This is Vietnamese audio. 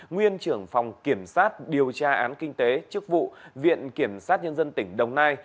nguyên trưởng phòng kiểm sát điều tra án kinh tế chức vụ viện kiểm sát nhân dân tỉnh đồng nai